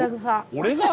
俺が！？